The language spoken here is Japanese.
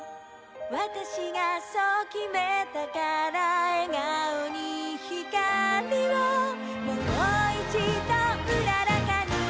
「わたしがそう決めたから」「笑顔にひかりをもう一度うららかに」